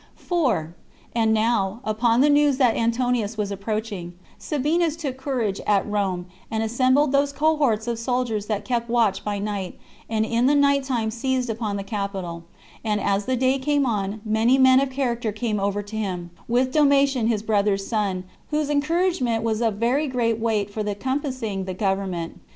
4. And now, upon the news that Antonius was approaching, Sabinus took courage at Rome, and assembled those cohorts of soldiers that kept watch by night, and in the night time seized upon the capitol; and, as the day came on, many men of character came over to him, with Domitian, his brother's son, whose encouragement was of very great weight for the compassing the government.